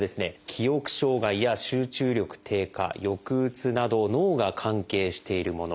記憶障害や集中力低下抑うつなど脳が関係しているもの。